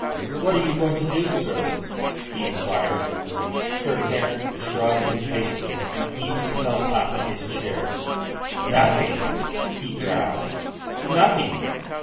"What are you going to do, sir?" he inquired. Sir Terence shrugged impatiently and heaved himself up in his chair. "Nothing," he growled. "Nothing?"